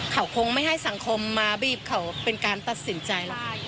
เขาคงไม่ให้สังคมมาบีบเขาเป็นการตัดสินใจหรอก